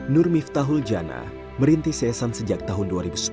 nur miftahuljana merintis esan sejak tahun dua ribu sepuluh